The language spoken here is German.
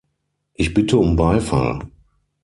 Ich bitte um Beifall.